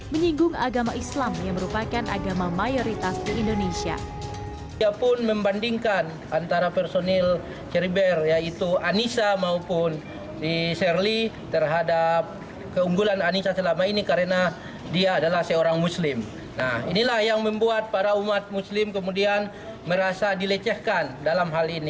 menyinggung agama islam yang merupakan agama mayoritas di indonesia